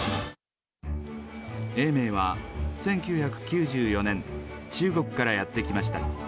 永明は、１９９４年、中国からやって来ました。